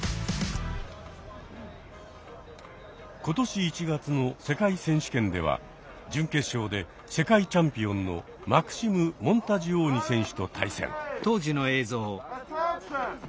今年１月の世界選手権では準決勝で世界チャンピオンのマクシム・モンタジオーニ選手と対戦。